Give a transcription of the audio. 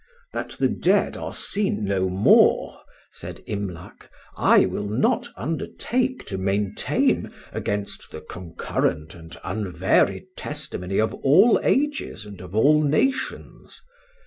"That the dead are seen no more," said Imlac, "I will not undertake to maintain against the concurrent and unvaried testimony of all ages and of all nations.